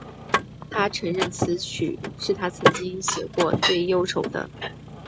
她承认此曲是她曾经写过最忧愁的。